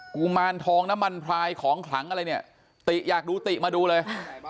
กุมารทองน้ำมันพลายของขลังอะไรเนี่ยติอยากดูติมาดูเลย